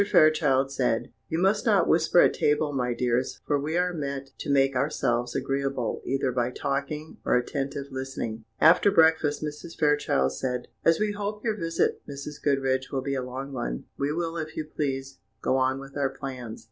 Fairchild said: "You must not whisper at table, my dears, for we are met to make ourselves agreeable either by talking or attentive listening." After breakfast Mrs. Fairchild said: "As we hope your visit, Mrs. Goodriche, will be a long one, we will, if you please, go on with our plans.